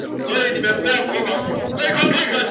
比较已知的光度。